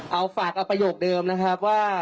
เอาฝากเอาประโยคเดิมนะครับว่า